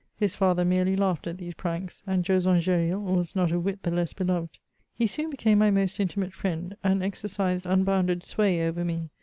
His father merely laughed at these pranks, and Joson Gresril was not a whit the less heloved. He soon hecame my most intimate friend, and exercised unhounded sway oyer me.